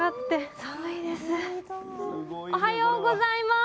おはようございます。